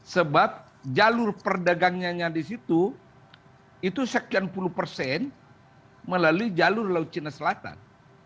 sebab jalur perdagangnya di situ itu sekian puluh persen melalui jalur laut cina selatan